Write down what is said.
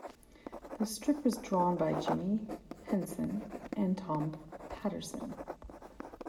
The strip was drawn by Jimmy Hansen and Tom Paterson.